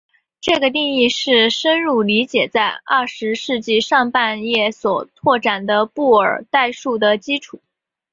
这个定理是深入理解在二十世纪上半叶所拓展的布尔代数的基础。